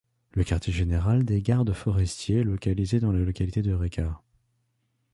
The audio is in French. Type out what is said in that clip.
Le quartier général des gardes forestiers est localisé dans la localité d’Eureka.